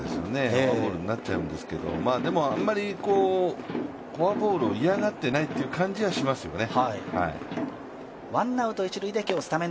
フォアボールになっちゃうんですけど、あんまりフォアボールを嫌がっていない感じはしますよね。